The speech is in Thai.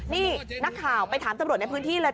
นี่นักข่าวไปถามตำรวจในพื้นที่เลย